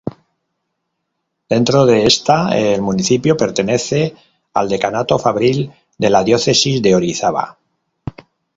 Dentro de esta, el municipio pertenece al Decanato Fabril de la Diócesis de Orizaba.